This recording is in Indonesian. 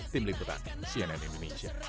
tim likudan cnn indonesia